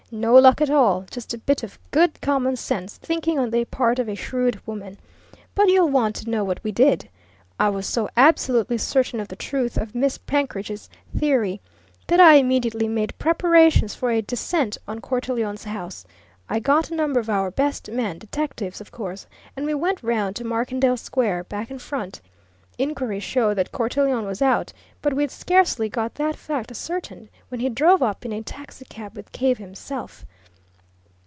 "No luck at all just a bit of good common sense thinking on the part of a shrewd woman. But you'll want to know what we did. I was so absolutely certain of the truth of Miss Penkridge's theory that I immediately made preparations for a descent on Cortelyon's house. I got a number of our best men detectives, of course and we went round to Markendale Square, back and front. Inquiry showed that Cortelyon was out, but we'd scarcely got that fact ascertained when he drove up in a taxicab with Cave himself.